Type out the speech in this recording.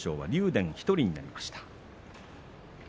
電ただ１人になりました。